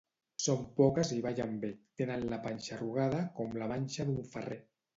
Són poques i ballen bé; tenen la panxa arrugada com la manxa d'un ferrer.